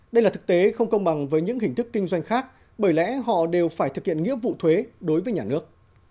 đây là thực tế không công bằng với những hình thức kinh doanh khác bởi lẽ họ đều phải thực hiện nghĩa vụ thuế đối với nhà nước